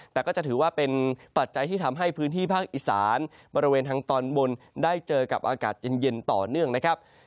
แต่ก็จะถือว่าเป็นปัจจัยที่ทำให้พื้นที่ภาคอีสานบริเวณทางตอนบนได้เจอกับอากาศเย็นต่อเนื่องนะครับ